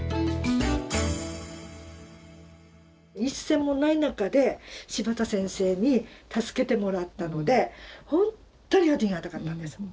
一銭もない中で柴田先生に助けてもらったので本当にありがたかったんです。